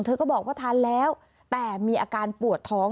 ก็บอกว่าทานแล้วแต่มีอาการปวดท้อง